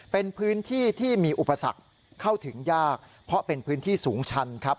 เป็นพื้นที่ที่มีอุปสรรคเข้าถึงยากเพราะเป็นพื้นที่สูงชันครับ